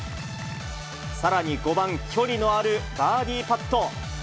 さらに５番、距離のあるバーディーパット。